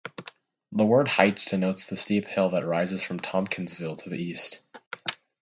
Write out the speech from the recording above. The word "Heights" denotes the steep hill that rises from Tompkinsville to the east.